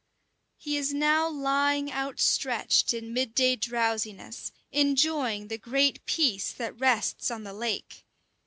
He is now lying outstretched in midday drowsiness, enjoying the great peace that rests on the lake.